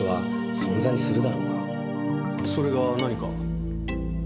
それが何か？